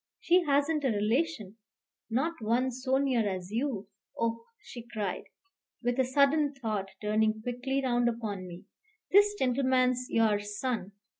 She hasn't a relation, not one so near as you, oh!" she cried, with a sudden thought, turning quickly round upon me, "this gentleman's your son!